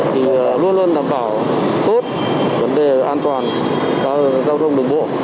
thì luôn luôn đảm bảo tốt vấn đề an toàn giao thông đường bộ